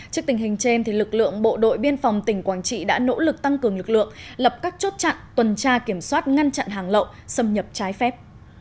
trước tình hình trên lực lượng bộ đội biên phòng tỉnh quảng trị đã nỗ lực tăng cường lực lượng lập các chốt chặn tuần tra kiểm soát ngăn chặn hàng lậu xâm nhập trái phép